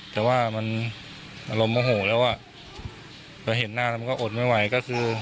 แต่ว่ามันอารมณ์โมโหแล้วอ่ะพอเห็นหน้าแล้วมันก็อดไม่ไหวก็คือ